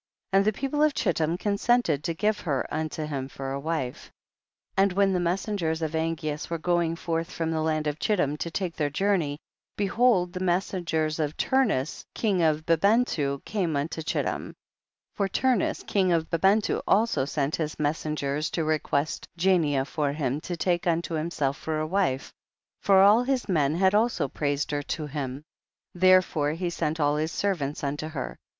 And the people of Chittim consented to give her unto him for a wife. ] 0. And when the messengers of Angeas were going forth from the land of Chittim to take their journey, behold the messengers of Turnus king of Bibentu came unto Chittim, for Turnus king of Bibentu also sent his messengers to request Jania for him, to take unto himself for a wife, for all his men had also praised her to him, therefore he sent all his ser vants unto her.